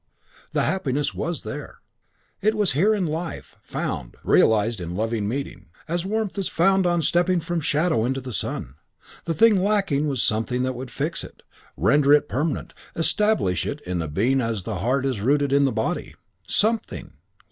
The happiness was there. It was here in life, found, realised in loving meeting, as warmth is found on stepping from shadow into the sun. The thing lacking was something that would fix it, render it permanent, establish it in the being as the heart is rooted in the body. Something?